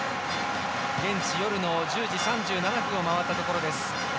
現地夜の１０時３７分を回ったところです。